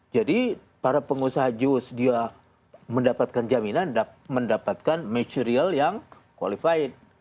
jadi para pengusaha jus dia mendapatkan jaminan mendapatkan material yang qualified